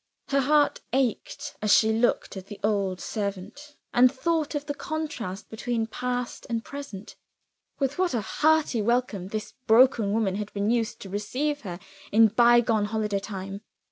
Her heart ached as she looked at the old servant, and thought of the contrast between past and present. With what a hearty welcome this broken woman had been used to receive her in the bygone holiday time!